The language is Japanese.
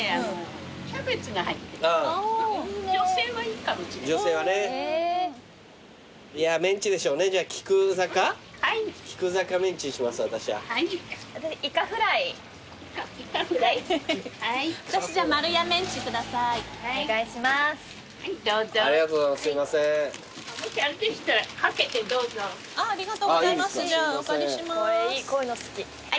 こういうの好き。